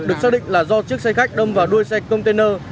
được xác định là do chiếc xe khách đâm vào đuôi xe container